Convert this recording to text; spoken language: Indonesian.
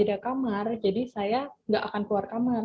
saya di kamar jadi saya nggak akan keluar kamar